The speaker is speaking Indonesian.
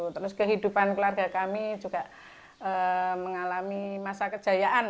terus kehidupan keluarga kami juga mengalami masa kejayaan